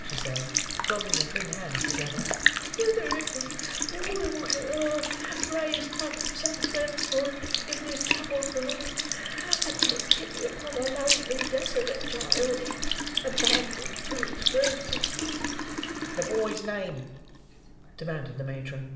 she said, folding her thin hands together, 'whether it be boy or girl, raise up some friends for it in this troubled world, and take pity upon a lonely desolate child, abandoned to its mercy!'" "The boy's name?" demanded the matron.